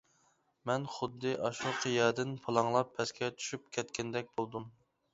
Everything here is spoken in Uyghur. مەن خۇددى ئاشۇ قىيادىن پۇلاڭلاپ پەسكە چۈشۈپ كەتكەندەك بولدۇم.